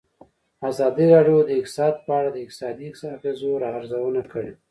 ازادي راډیو د اقتصاد په اړه د اقتصادي اغېزو ارزونه کړې.